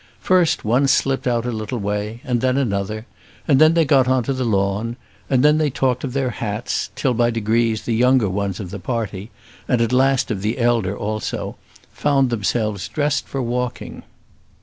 First one slipped out a little way, and then another; and then they got on to the lawn; and then they talked of their hats; till, by degrees, the younger ones of the party, and at last of the elder also, found themselves dressed for walking.